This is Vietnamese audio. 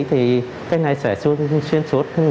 thì cái này sẽ xuyên suốt